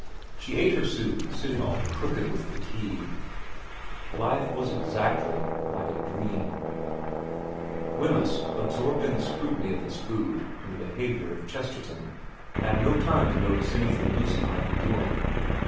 She ate her soup sitting all crooked with fatigue ... life was exactly like a dream Wemyss, absorbed in the scrutiny of his food and the behaviour of Chesterton, had no time to notice anything Lucy might be doing.